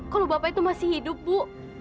kalau bapak itu masih hidup bu